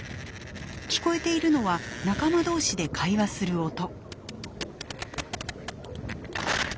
聞こえているのは仲間同士で会話する音。